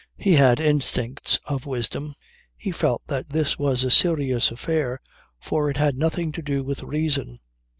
He had instincts of wisdom; he felt that this was a serious affair, for it had nothing to do with reason.